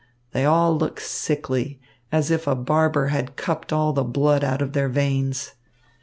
They all look sickly, as if a barber had cupped all the blood out of their veins.